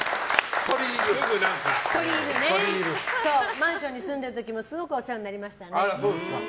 マンションに住んでる時もすごくお世話になりましたね。